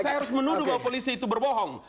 saya harus menuduh bahwa polisi itu berbohong